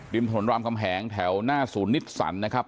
ริมถนนรามคำแหงแถวหน้าศูนย์นิสสันนะครับ